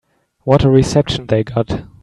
What a reception they got.